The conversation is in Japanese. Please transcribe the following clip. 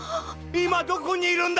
いまどこにいるんだ！？